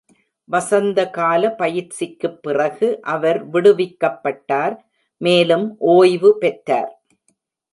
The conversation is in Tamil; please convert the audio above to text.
வசந்தகால பயிற்சிக்குப் பிறகு அவர் விடுவிக்கப்பட்டார் மேலும் ஓய்வு பெற்றார்.